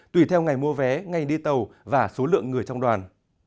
tùy theo ngày mua vé ngày đi tàu và số lượng người trong đoàn